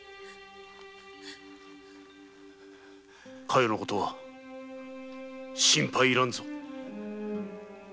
加代のことは心配いらぬぞ。